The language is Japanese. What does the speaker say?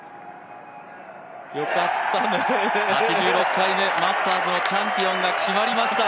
８６回目マスターズのチャンピオンが決まりました。